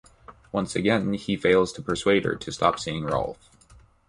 Once again, he fails to persuade her to stop seeing Rolfe.